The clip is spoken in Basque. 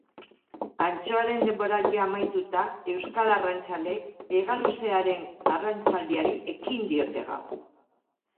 Antxoaren denboraldia amaituta, euskal arrantzaleek hegaluzearen arrantzaldiari ekin diote gaur.